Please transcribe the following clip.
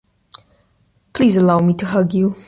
Please allow me to hug you.